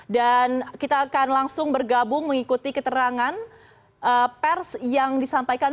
dan kita akan langsung bergabung mengikuti keterangan pers yang disampaikan